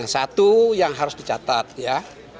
satu yang harus dicatat ya